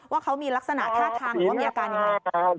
ว่าเขามีลักษณะท่าทางหรือว่ามีอาการยังไง